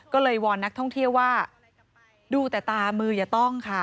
ก็เลยวอนนักท่องเที่ยวว่าดูแต่ตามืออย่าต้องค่ะ